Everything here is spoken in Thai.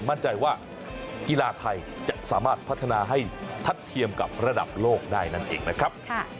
มั่นใจว่ากีฬาไทยจะสามารถพัฒนาให้ทัดเทียมกับระดับโลกได้นั่นเองนะครับ